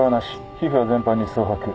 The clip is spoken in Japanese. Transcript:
皮膚は全般に蒼白。